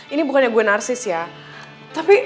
ini bukannya gue narsis ya tapi